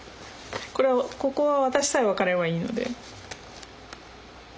ここは私さえ分かればいいので。